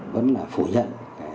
vẫn là phủ nhận